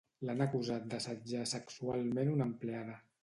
L'han acusat d'assetjar sexualment una empleada.